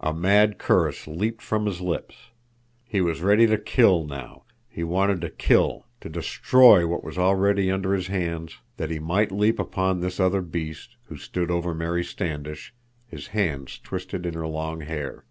A mad curse leaped from his lips. He was ready to kill now; he wanted to kill—to destroy what was already under his hands that he might leap upon this other beast, who stood over Mary Standish, his hands twisted in her long hair.